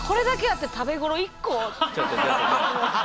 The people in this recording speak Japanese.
ちょっとちょっと。